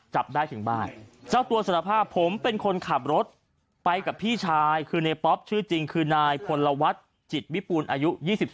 จับได้ถึงบ้านเจ้าตัวสารภาพผมเป็นคนขับรถไปกับพี่ชายคือในป๊อปชื่อจริงคือนายพลวัฒน์จิตวิปูนอายุ๒๓